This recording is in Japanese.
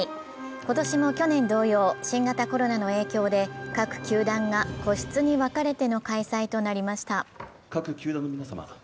今年も去年同様、新型コロナの影響で各球団が個室に分かれての開催となりました。